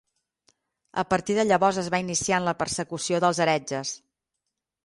A partir de llavors es va iniciar en la persecució dels heretges.